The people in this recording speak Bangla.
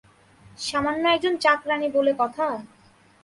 সামান্য একজন চাকরানী বলে কথা।